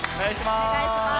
お願いします。